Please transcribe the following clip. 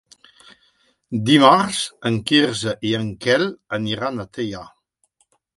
Dimarts en Quirze i en Quel aniran a Teià.